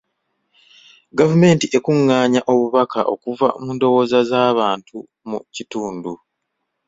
Gavumenti ekungaanya obubaka okuva mu ndowooza z'abantu mu kitundu.